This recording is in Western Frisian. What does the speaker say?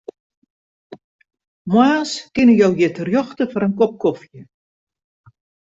Moarns kinne jo hjir terjochte foar in kop kofje.